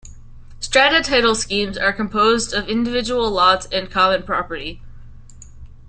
Strata Title Schemes are composed of individual lots and common property.